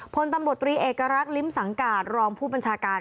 พลตำรวจตรีเอกรักษ์ลิ้มสังการรองผู้บัญชาการ